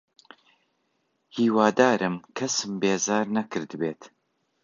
هیوادارم کەسم بێزار نەکردبێت.